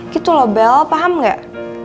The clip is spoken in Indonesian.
gitu loh bel paham nggak